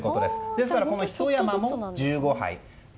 ですから、ひと山も１５杯。